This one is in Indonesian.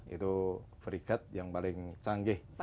itu frigat yang paling canggih